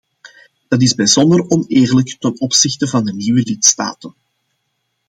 Dat is bijzonder oneerlijk ten opzichte van de nieuwe lidstaten.